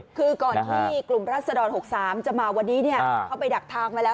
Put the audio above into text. คือก่อนที่กลุ่มรัศดร๖๓จะมาวันนี้เขาไปดักทางมาแล้ว